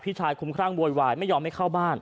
พี่ชายคมคล่างโวยวายไม่ยอมให้เข้าบ้าน